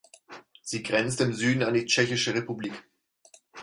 Sie grenzt im Süden an die Tschechische Republik.